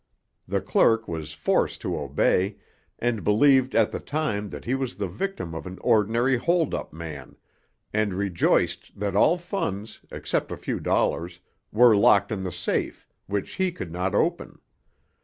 The clerk was forced to obey, and believed at the time that he was the victim of an ordinary holdup man, and rejoiced that all funds, except a few dollars, were locked in the safe, which he could not open.